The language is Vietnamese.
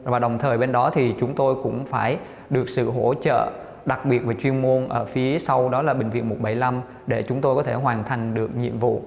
và đồng thời bên đó thì chúng tôi cũng phải được sự hỗ trợ đặc biệt về chuyên môn ở phía sau đó là bệnh viện một trăm bảy mươi năm để chúng tôi có thể hoàn thành được nhiệm vụ